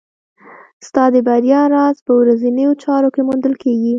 ستا د بریا راز په ورځنیو چارو کې موندل کېږي.